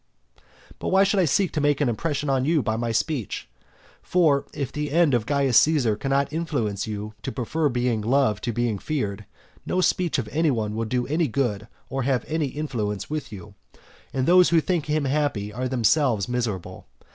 But why should I seek to make an impression on you by my speech? For, if the end of Caius Caesar cannot influence you to prefer being loved to being feared, no speech of any one will do any good or have any influence with you; and those who think him happy are themselves miserable.